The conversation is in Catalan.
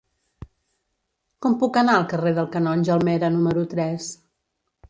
Com puc anar al carrer del Canonge Almera número tres?